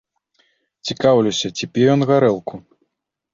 Цікаўлюся, ці п'е ён гарэлку.